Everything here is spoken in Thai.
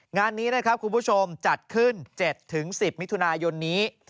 งานนี้นะครับคุณผู้ชมจัดขึ้น๗๑๐มิถุนายนนี้